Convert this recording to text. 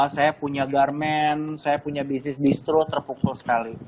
saya punya garmen saya punya bisnis distro terpukul sekali